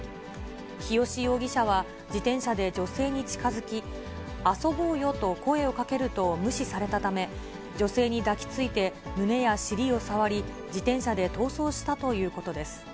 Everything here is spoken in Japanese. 日吉容疑者は自転車で女性に近づき、遊ぼうよと声をかけると無視されたため、女性に抱きついて胸や尻を触り、自転車で逃走したということです。